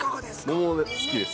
桃、好きです。